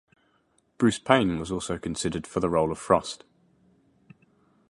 Bruce Payne was also considered for the role of Frost.